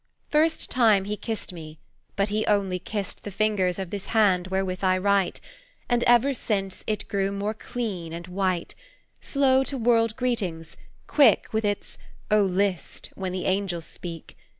"First time he kissed me he but only kissed The fingers of this hand wherewith I write, And ever since, it grew more clean and white, Slow to world greetings, quick with its 'Oh, list,' When the angels speak.